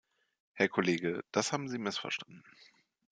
Herr Kollege, das haben Sie missverstanden.